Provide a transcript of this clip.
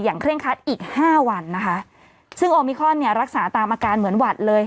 เคร่งคัดอีกห้าวันนะคะซึ่งโอมิคอนเนี่ยรักษาตามอาการเหมือนหวัดเลย